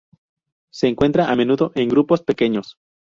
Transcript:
Se encuentra a menudo en grupos pequeños.